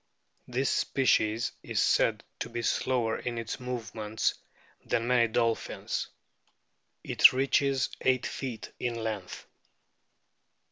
This species is said to be slower in its movements than many dolphins. It reaches eight feet in length.